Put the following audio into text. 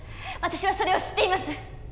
私はそれを知っています。